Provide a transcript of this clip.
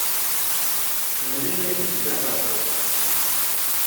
Ḥemmlen ifelfel aqerḥan.